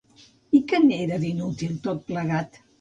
I que n'era, d'inútil, tot plegat